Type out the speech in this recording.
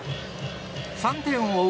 ３点を追う